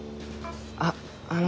あっあの。